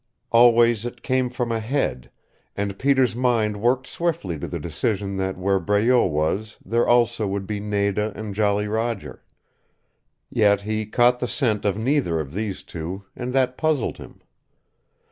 Always it came from ahead, and Peter's mind worked swiftly to the decision that where Breault was there also would be Nada and Jolly Roger. Yet he caught the scent of neither of these two, and that puzzled him.